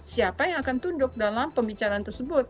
siapa yang akan tunduk dalam pembicaraan tersebut